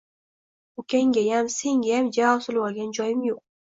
– Ukanggayam, sengayam ja osilvolgan joyim yo‘q